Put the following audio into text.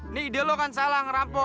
ini ide lo kan salah ngerampok